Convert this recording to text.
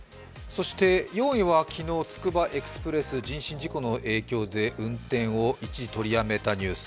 そして４位は、昨日、つくばエクスプレス人身事故の影響で運転を一時取りやめたニュース。